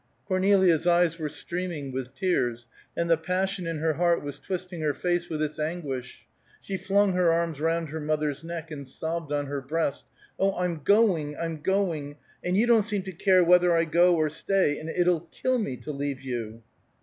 Cornelia's eyes were streaming with tears, and the passion in her heart was twisting her face with its anguish. She flung her arms round her mother's neck, and sobbed on her breast. "Oh, I'm going, I'm going, and you don't seem to care whether I go or stay, and it'll kill me to leave you."